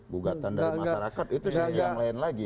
gugatan dari masyarakat itu sisi yang lain lagi